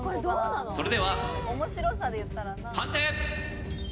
それでは判定！